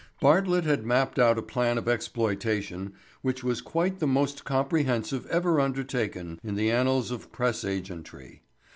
Bartlett had mapped out a plan of exploitation which was quite the most comprehensive ever undertaken in the annals of press agentry.